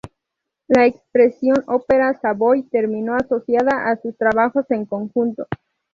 La expresión ópera Savoy terminó asociada a sus trabajos en conjunto.